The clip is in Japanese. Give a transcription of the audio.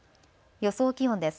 予想気温です。